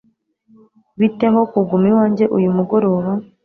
Bite ho kuguma iwanjye uyu mugoroba?